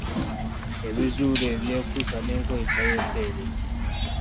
Ebizuulo ebyekuusa n’enkozesa y’empeerezi.